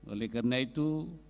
oleh karena itu